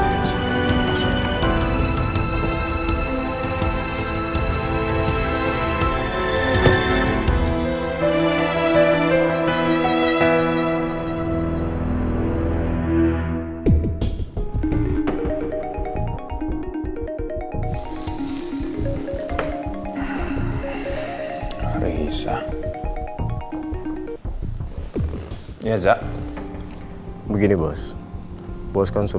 keisha kelas banget